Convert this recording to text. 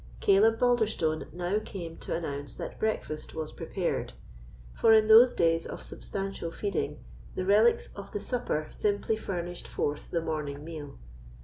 Caleb Balderstone now came to announce that breakfast was prepared; for in those days of substantial feeding, the relics of the supper simply furnished forth the morning meal.